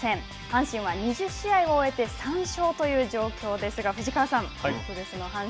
阪神は２０試合を終えて３勝とという状況ですが藤川さん